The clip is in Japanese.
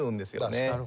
確かに。